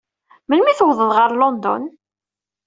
Melmi ay tuwḍeḍ ɣer London?